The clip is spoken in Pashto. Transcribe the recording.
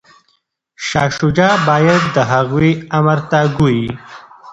شاه شجاع باید د هغوی امر ته ګوري.